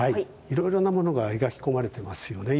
いろいろなものが描き込まれてますよね